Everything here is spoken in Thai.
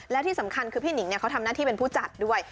และที่สำคัญคือพี่หนิงเขาทำหน้าที่เป็นผู้จัดด้วย